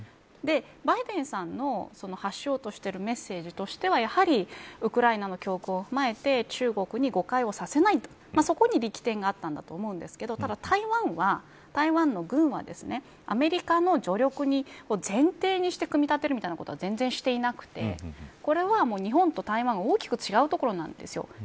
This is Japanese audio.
バイデンさんの発しようとしているメッセージとしてはウクライナの強行を踏まえて中国に誤解をさせないそこに力点があったんだと思うんですけどただ、台湾の軍はアメリカの助力を前提にして組み立てるみたいなことは全然していなくてこれは、日本と台湾大きく違うところなんです。